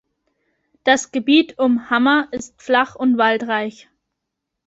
Das Gebiet um Hammer ist flach und waldreich.